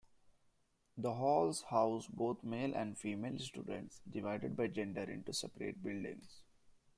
The halls house both male and female students, divided by gender into separate buildings.